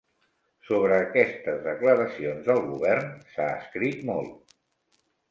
Sobre aquestes declaracions del govern s'ha escrit molt.